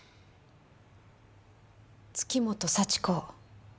月本幸子。